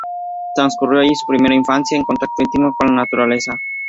Transcurrió allí su primera infancia en contacto íntimo con la naturaleza.